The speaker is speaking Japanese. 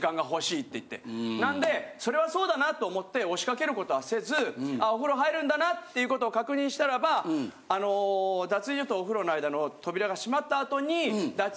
なんでそれはそうだなっと思って押しかけることはせずお風呂入るんだなっていうことを確認したらば脱衣所とお風呂の間の。